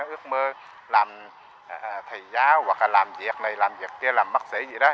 ước mơ làm thầy giáo hoặc là làm việc này làm việc chia làm bác sĩ gì đó